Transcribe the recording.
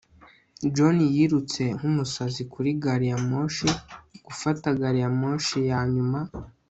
john yirutse nkumusazi kuri gari ya moshi gufata gari ya moshi ya nyuma